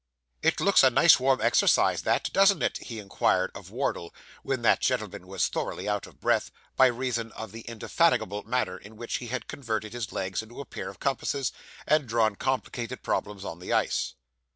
'It looks a nice warm exercise that, doesn't it?' he inquired of Wardle, when that gentleman was thoroughly out of breath, by reason of the indefatigable manner in which he had converted his legs into a pair of compasses, and drawn complicated problems on the ice.